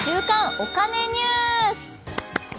お金ニュース」。